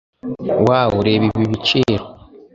Wow reba ibi biciro